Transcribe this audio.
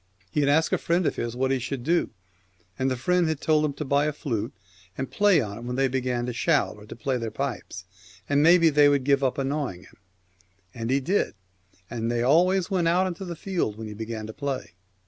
He had asked a friend of his what he should do, and the friend had told him to buy a flute, and play on it when they began to shout i9S Th e or to play on their pipes, and maybe they Twilight, would give up annoying him ; and he did, and they always went out into the field when he began to play.